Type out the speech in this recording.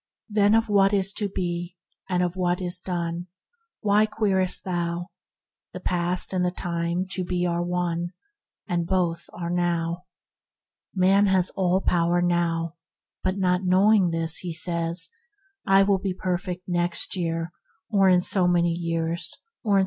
... "Then of what is to be, and of what is done. Why queriest thou? The past and the time to be are one, And both are NOW!" THE ETERNAL NOW 95 Man has all power now; but not knowing this, he says, "I will be perfect next year, or in so many years."